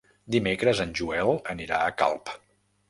Dimecres en Joel anirà a Calp.